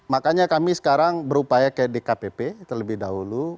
makanya kami sekarang berupaya ke dkpp terlebih dahulu